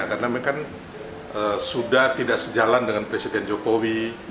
karena mereka kan sudah tidak sejalan dengan presiden jokowi